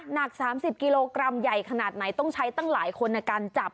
หนัก๓๐กิโลกรัมใหญ่ขนาดไหนต้องใช้ตั้งหลายคนในการจับ